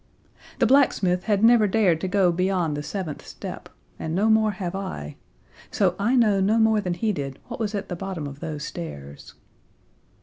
The blacksmith had never dared to go beyond the seventh step, and no more have I so I know no more than he did what was at the bottom of those stairs.